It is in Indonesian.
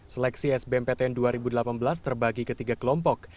seleksi sbmptn dua ribu delapan belas terbagi ke tiga kelompok